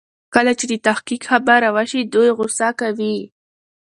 کله چې د تحقيق خبره وشي دوی غوسه کوي.